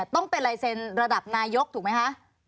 ต้องเป็นลายเซ็นต์ระดับนายกถูกไหมคะ